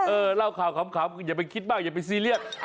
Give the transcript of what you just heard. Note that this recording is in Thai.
เล่าข่าวขำอย่าไปคิดมากอย่าไปซีเรียส